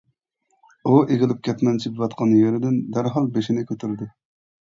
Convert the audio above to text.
ئۇ ئېگىلىپ كەتمەن چېپىۋاتقان يېرىدىن دەرھال بېشىنى كۆتۈردى.